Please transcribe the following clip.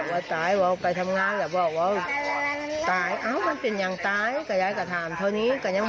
โอ้โหมีอาการทางจิตเวทอยู่แล้วด้วยนะครับ